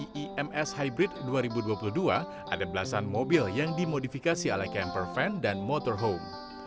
di ims hybrid dua ribu dua puluh dua ada belasan mobil yang dimodifikasi oleh camper van dan motorhome